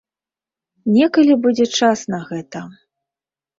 Некалі будзе час на гэта.